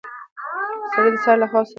سړی د سهار له هوا سره ویده شو.